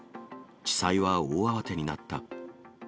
地裁は大慌てになった。